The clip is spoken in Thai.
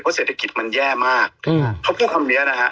เพราะเศรษฐกิจมันแย่มากเขาพูดคำนี้เั้ะฮะ